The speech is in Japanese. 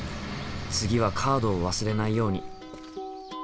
次はカードを忘れないように。